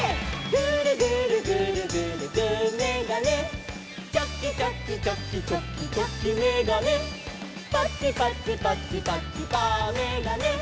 「グルグルグルグルグーめがね」「チョキチョキチョキチョキチョキめがね」「パチパチパチパチパーめがね」